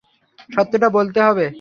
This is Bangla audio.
সত্যটা বলতে হবে।